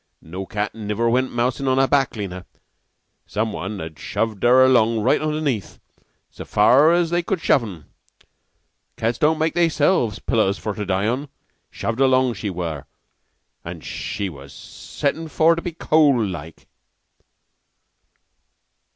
No cat niver went mousin' on her back, Lena. Some one had shoved her along right underneath, so far as they could shove un. Cats don't make theyselves pillows for to die on. Shoved along, she were, when she was settin' for to be cold, laike."